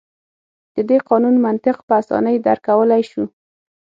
د دې قانون منطق په اسانۍ درک کولای شو.